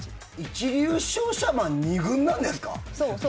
一流商社マン２軍なんですか？